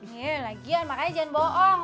ini lagian makanya jangan bohong